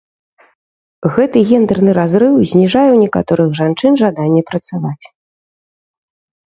Гэты гендэрны разрыў зніжае ў некаторых жанчын жаданне працаваць.